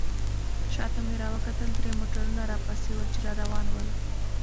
شاته مې راوکتل درې موټرونه راپسې ول، چې را روان ول.